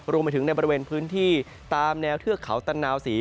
รวมไปถึงในบริเวณพื้นที่ตามแนวเทือกเขาตันนาวศรี